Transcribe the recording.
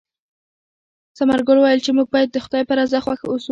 ثمرګل وویل چې موږ باید د خدای په رضا خوښ اوسو.